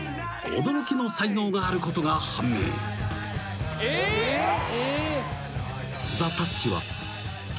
驚きの才能があることが判明］えっ！？